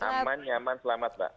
aman nyaman selamat mbak